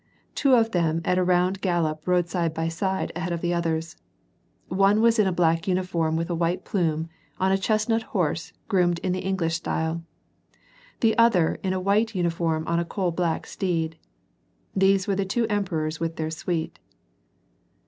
Two of them at a round gallop rode side by side ahead of the others. One was in a black uniform with a white plume, on a chestnut horse groomed in the English style ; the other in a white uniform on a coal black steed. These were the two emperors with their suite.